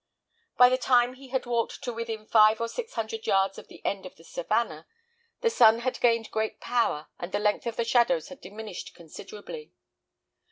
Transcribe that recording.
By the time he had walked to within five or six hundred yards of the end of the savannah, the sun had gained great power, and the length of the shadows had diminished considerably.